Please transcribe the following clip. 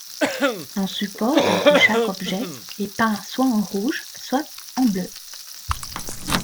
On suppose que chaque objet est peint soit en rouge, soit en bleu.